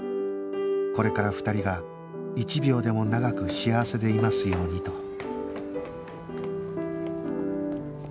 これから２人が一秒でも長く幸せでいますようにと